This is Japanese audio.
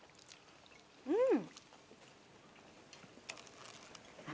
うん！